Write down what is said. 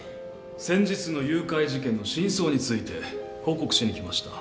先日の誘拐事件の真相について報告しに来ました。